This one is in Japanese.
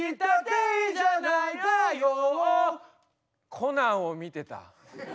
「コナン」を見てた。